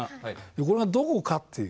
これはどこかっていう。